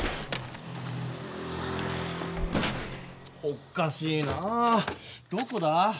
おかしいなどこだ？